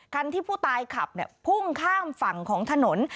ที่ผู้ตายขับพุ่งข้ามฝั่งของถนน